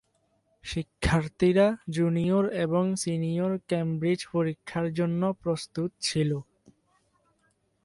শিক্ষার্থীরা জুনিয়র এবং senior Cambridge পরীক্ষার জন্য প্রস্তুত ছিল।